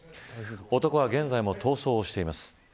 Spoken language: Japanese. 男は現在も逃走しています。